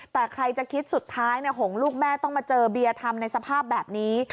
แต่ใครจะคิดสุดท้ายหงลูกแม่ต้องมาเจอเบียร์ทำในสภาพแบบนี้